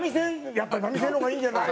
やっぱり波線の方がいいんじゃない？